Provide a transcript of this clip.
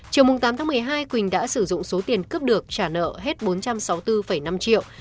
chiều tám tháng một mươi hai quỳnh đã sử dụng số tiền cướp được trả nợ hết bốn trăm sáu mươi bốn năm triệu